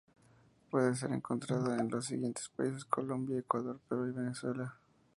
Puede ser encontrada en los siguientes países: Colombia, Ecuador, Perú y Venezuela.